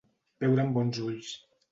Veure amb bons ulls.